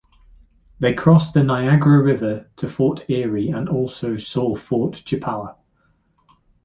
They crossed the Niagara River to Fort Erie and also saw Fort Chippawa.